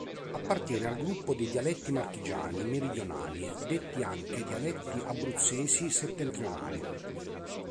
Appartiene al gruppo dei dialetti marchigiani meridionali, detti anche dialetti abruzzesi settentrionali.